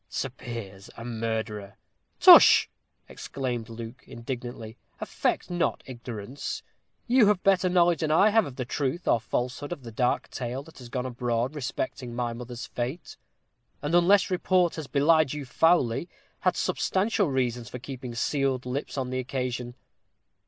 "Sir Piers a murderer!" "Tush!" exclaimed Luke, indignantly, "affect not ignorance. You have better knowledge than I have of the truth or falsehood of the dark tale that has gone abroad respecting my mother's fate; and unless report has belied you foully, had substantial reasons for keeping sealed lips on the occasion.